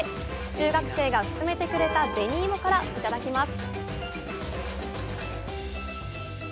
中学生が勧めてくれた紅芋からいただきます。